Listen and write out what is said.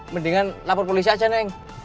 mendingan lapor polisi aja neng